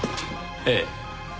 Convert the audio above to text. ええ。